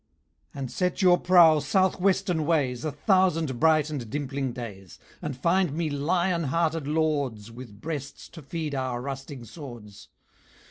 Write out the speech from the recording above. "And set your prow South western ways A thousand bright and dimpling days, And find me lion hearted Lords With breasts to feed Our rusting swords."